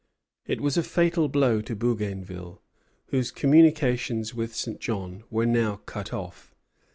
It was a fatal blow to Bougainville, whose communications with St. John were now cut off.